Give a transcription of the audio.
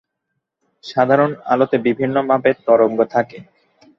সাধারণ আলোতে বিভিন্ন মাপের তরঙ্গ থাকে।